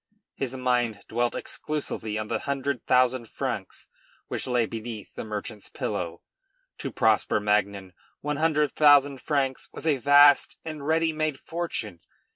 His mind dwelt exclusively on the hundred thousand francs which lay beneath the merchant's pillow. To Prosper Magnan one hundred thousand francs was a vast and ready made fortune.